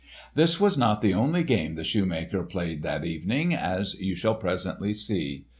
This was not the only game the shoemaker played that evening, as you shall presently see.